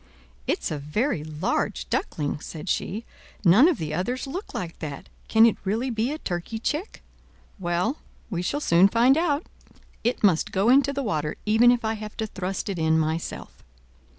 "It's a very large duckling," said she; "none of the others look like that: can it really be a turkey chick? Well, we shall soon find out. It must go into the water, even if I have to thrust it in myself."